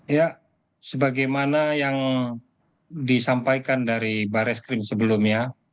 ya sebagaimana yang disampaikan dari barreskrim sebelumnya